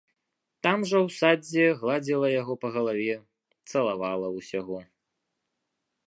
Там жа ў садзе гладзіла яго па галаве, цалавала ўсяго.